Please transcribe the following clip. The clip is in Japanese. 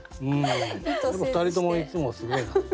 でも２人ともいつもすごいなと。